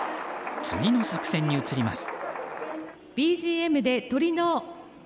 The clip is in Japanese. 次の作戦に移ります。